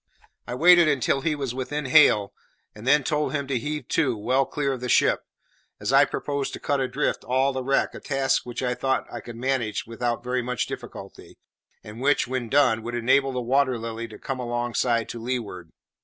I waited until he was within hail, and then told him to heave to well clear of the ship, as I proposed to cut adrift all the wreck, a task which I thought I could manage without very much difficulty, and which, when done, would enable the Water Lily to come alongside to leeward.